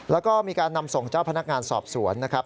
แล้วก็มีการนำส่งเจ้าพนักงานสอบสวนนะครับ